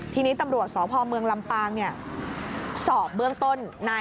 ทีนี้ตำรวจสพเมืองลำปางเนี่ยสอบเบื้องต้นนาย